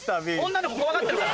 女の子怖がってるから。